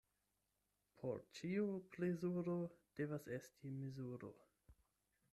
Por ĉiu plezuro devas esti mezuro.